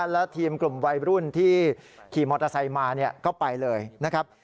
และทีมกลุ่มวัยรุ่นที่ขี่มอเตอร์ไซค์มาก็ไปเลยนะครับ